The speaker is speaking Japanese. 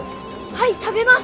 はい食べます。